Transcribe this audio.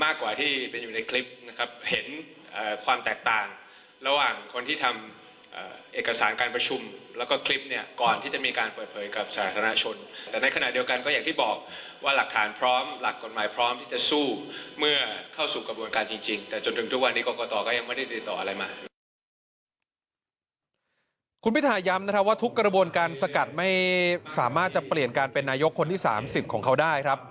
คุณพิทาย้ำนะครับว่าทุกกระบวนการสกัดไม่สามารถจะเปลี่ยนการเป็นนายกคนที่๓๐ของเขาได้ครับ